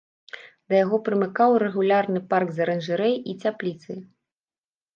Да яго прымыкаў рэгулярны парк з аранжарэяй і цяпліцай.